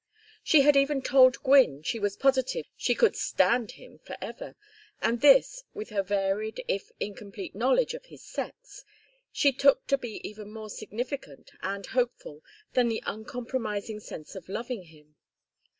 She had even told Gwynne she was positive she could stand him for ever, and this, with her varied if incomplete knowledge of his sex, she took to be even more significant and hopeful than the uncompromising sense of loving him.